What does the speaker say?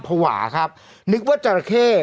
พวาครับนึกว่าจรเขต